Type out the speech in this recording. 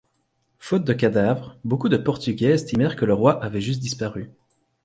Faute de cadavre, beaucoup de Portugais estimèrent que le roi avait juste disparu.